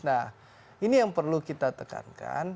nah ini yang perlu kita tekankan